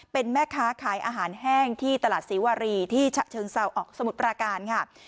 เป็นแม่ค้าขายอาหารแห้งที่ตลาดศรีวารีที่ฉะเชิงเซาออกสมุทรปราการค่ะ